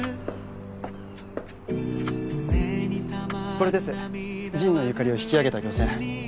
これです神野由香里を引き上げた漁船。